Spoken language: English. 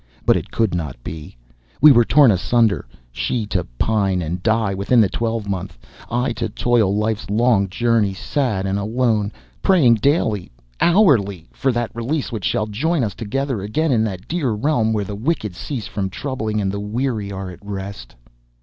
But it could not be. We were torn asunder, she to pine and die within the twelvemonth, I to toil life's long journey sad and alone, praying daily, hourly, for that release which shall join us together again in that dear realm where the wicked cease from troubling and the weary are at rest.